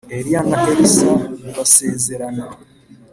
Eliya na Elisa basezerana